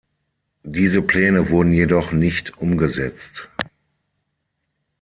Diese Pläne wurden jedoch nicht umgesetzt.